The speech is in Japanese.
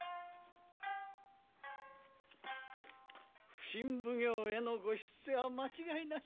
普請奉行へのご出世は間違いなし。